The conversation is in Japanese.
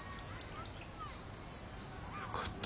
よかった。